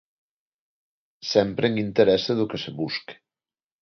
Sempre en interese do que se busque.